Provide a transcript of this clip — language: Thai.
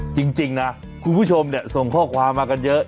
จริงนะคุณผู้ชมส่งข้อความมากันเยอะ